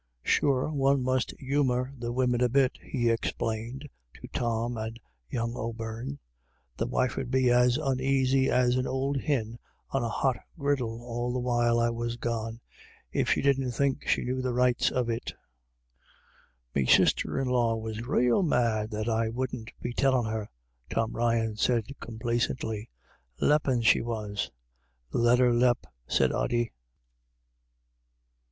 Sure 106 IRISH ID YLLS. one must humour the women a bit," he explained to Tom and young O'Beirne. u The wife 'ud be as onaisy as an ould hin on a hot griddle all the while I was gone, if she didn't think she knew the rights of it" " Me sister in law was rael mad that I wouldn't be tellin' her," Tom Ryan said complacently —" lep pin' she was." " Let her lep," said Ody.